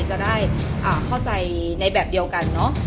จะได้เข้าใจในแบบเดียวกันเนอะ